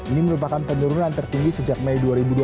ini merupakan penurunan tertinggi sejak mei dua ribu dua puluh